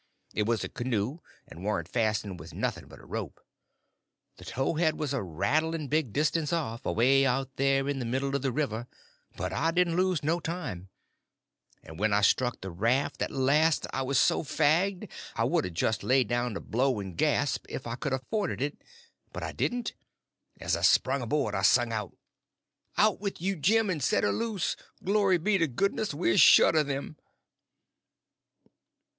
It was a canoe, and warn't fastened with nothing but a rope. The towhead was a rattling big distance off, away out there in the middle of the river, but I didn't lose no time; and when I struck the raft at last I was so fagged I would a just laid down to blow and gasp if I could afforded it. But I didn't. As I sprung aboard I sung out: "Out with you, Jim, and set her loose! Glory be to goodness, we're shut of them!"